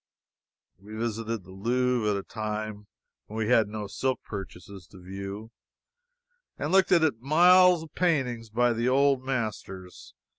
We visited the Louvre, at a time when we had no silk purchases in view, and looked at its miles of paintings by the old masters.